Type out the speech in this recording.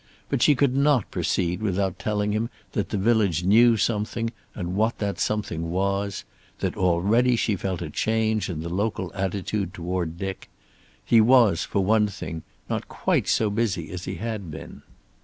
But she could not proceed without telling him that the village knew something, and what that something was; that already she felt a change in the local attitude toward Dick. He was, for one thing, not quite so busy as he had been.